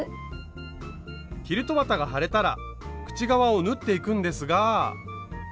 キルト綿が貼れたら口側を縫っていくんですが。